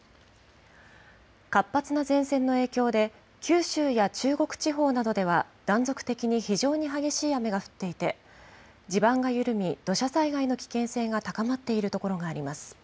活発な前線の影響で、九州や中国地方などでは、断続的に非常に激しい雨が降っていて、地盤が緩み、土砂災害の危険性が高まっている所があります。